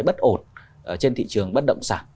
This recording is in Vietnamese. bất ổn trên thị trường bất động sản